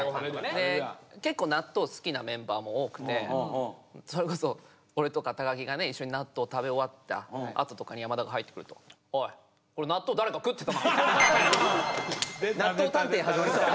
で結構納豆好きなメンバーも多くてそれこそ俺とか木がね一緒に納豆食べ終わったあととかに山田が入ってくると「おい！これ納豆誰か食ってたか？」みたいな。納豆探偵始まるから。